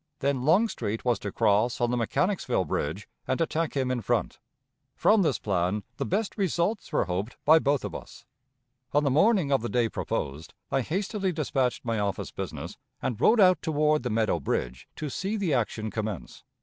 Then Longstreet was to cross on the Mechanicsville Bridge and attack him in front. From this plan the best results were hoped by both of us. On the morning of the day proposed, I hastily dispatched my office business, and rode out toward the Meadow Bridge to see the action commence.